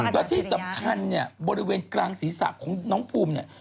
และที่สำคัญบริเวณกลางศีรษะของน้องภูมิ